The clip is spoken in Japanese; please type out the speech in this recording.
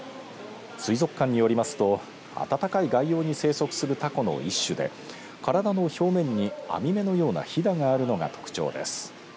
水族館によりますと暖かい外洋に生息するタコの一種で体の表面に網目のようなひだがあるのが特徴です。